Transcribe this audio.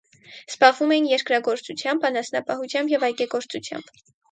Զբաղվում էին երկրագործությամբ, անասնապահությամբ և այգեգործությամբ։